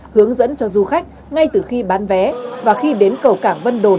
hướng dẫn cho du khách ngay từ khi bán vé và khi đến cầu cảng vân đồn